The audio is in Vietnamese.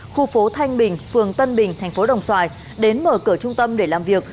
khu phố thanh bình phường tân bình thành phố đồng xoài đến mở cửa trung tâm để làm việc